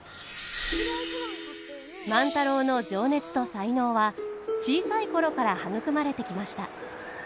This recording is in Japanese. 万太郎の情熱と才能は小さい頃から育まれてきました。